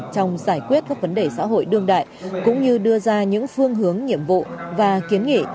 trong giải quyết các vấn đề xã hội đương đại cũng như đưa ra những phương hướng nhiệm vụ và kiến nghị